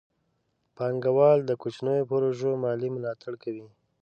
پانګه وال د کوچنیو پروژو مالي ملاتړ کوي.